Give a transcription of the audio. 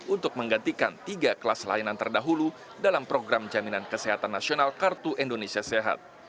untuk menggantikan tiga kelas layanan terdahulu dalam program jaminan kesehatan nasional kartu indonesia sehat